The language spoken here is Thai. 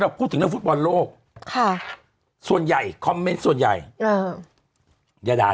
เราพูดถึงเรื่องฟุตบอลโลกค่ะส่วนใหญ่ส่วนใหญ่เอออย่าด่า